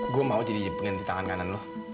gue mau jadi pengganti tangan kanan lo